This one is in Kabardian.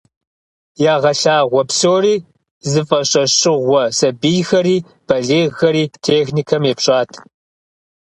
Ягъэлъагъуэ псори зыфӏэщӏэщыгъуэ сабийхэри балигъхэри техникэм епщӏат.